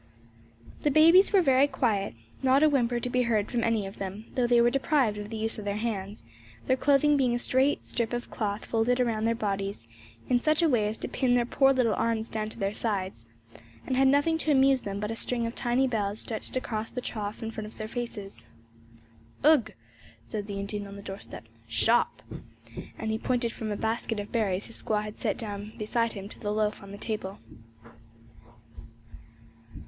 The babies were very quiet, not a whimper to be heard from any of them; though they were deprived of the use of their hands their clothing being a straight strip of cloth folded around their bodies in such a way as to pin their poor little arms down to their sides and had nothing to amuse them but a string of tiny bells stretched across the trough in front of their faces. "Ugh!" said the Indian on the doorstep, "shawp!" and he pointed from a basket of berries his squaw had set down beside him to the loaf on the table.